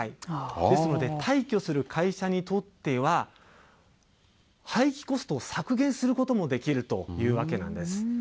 ですので、退去する会社にとっては、廃棄コストを削減することもできるというわけなんです。